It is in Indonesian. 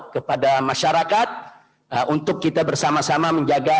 kepada masyarakat untuk kita bersama sama menjaga